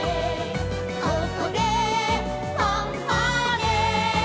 「ここでファンファーレ」